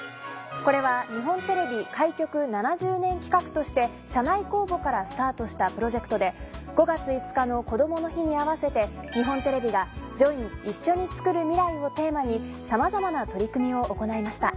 これは日本テレビ開局７０年企画として社内公募からスタートしたプロジェクトで５月５日のこどもの日に合わせて日本テレビが「ＪＯＩＮ！いっしょにつくる、ミライ」をテーマにさまざまな取り組みを行いました。